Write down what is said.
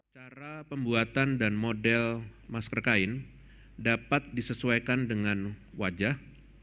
cara pembuatan dan model masker kain dapat disesuaikan dengan wajah